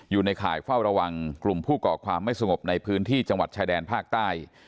อยู่ในข่ายเฝ้าระวังกลุ่มผู้ก่อความไม่สงบในพื้นที่จังหวัดชายแดนภาคใต้